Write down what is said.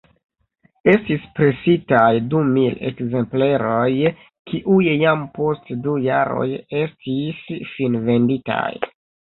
Estis presitaj dumil ekzempleroj, kiuj jam post du jaroj estis finvenditaj.